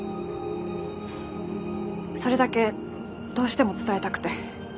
それだけどうしても伝えたくて。